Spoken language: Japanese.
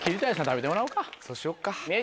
そうしよっか。